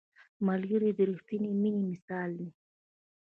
ملګری د رښتیني مینې مثال دی